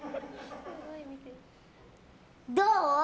どう？